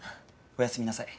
おやすみなさい。